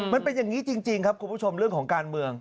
มันเป็นอย่างนี้จริงครับคุณผู้ชมเรื่องของการเมือง